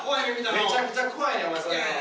めちゃくちゃ怖いねん。